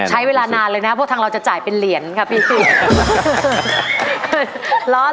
ใช้เวลานานเลยนะพวกทางเราจะจ่ายเป็นเหรียญค่ะพี่